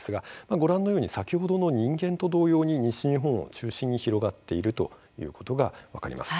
ご覧のように先ほどの人間と同様に西日本を中心に広がっていることが分かります。